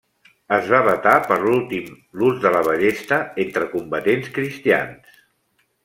Es va vetar per últim l'ús de la ballesta entre combatents cristians.